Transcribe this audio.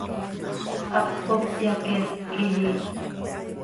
Hap cop hyaqueesc quih iyii.